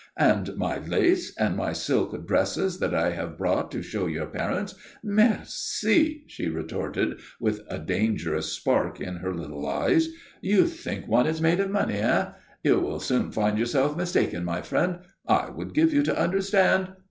"And my lace and my silk dress that I have brought to show your parents. Merci!" she retorted, with a dangerous spark in her little eyes. "You think one is made of money, eh? You will soon find yourself mistaken, my friend. I would give you to understand